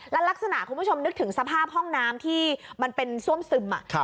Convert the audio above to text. แล้วลักษณะคุณผู้ชมนึกถึงสภาพห้องน้ำที่มันเป็นซ่วมซึม